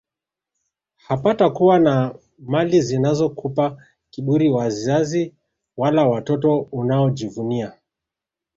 hapatakuwa na mali zinazokupa kiburi wazazi wala watoto unaojivunia